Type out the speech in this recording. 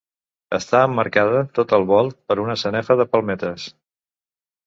Està emmarcada tot al volt per una sanefa de palmetes.